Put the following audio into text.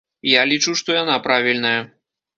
Я лічу, што яна правільная.